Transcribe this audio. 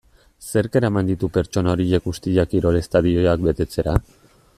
Zerk eraman ditu pertsona horiek guztiak kirol estadioak betetzera?